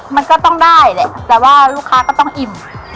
มันก็ต้องได้แหละแต่ว่าลูกค้าก็ต้องอิ่ม